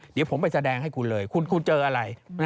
เดี๋ยวผมไปแสดงให้คุณเลยคุณเจออะไร